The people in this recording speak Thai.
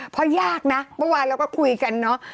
เพราะยากนะเมื่อวานเราก็คุยกันเนาะ